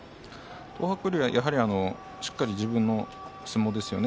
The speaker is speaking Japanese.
東白龍はしっかり自分の相撲ですよね